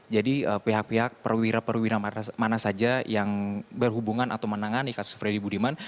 jadi pihak pihak perwira perwira mana saja yang berhubungan atau menangan di kasus freddy budiman